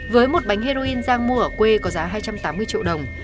với một bánh heroin giang mua ở quê có giá hai trăm tám mươi triệu đồng